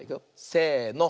せの。